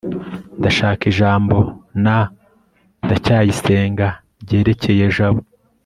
ndashaka ijambo na ndacyayisenga ryerekeye jabo